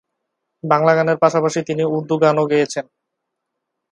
বাংলা গানের পাশাপাশি তিনি উর্দু গানও গেয়েছেন।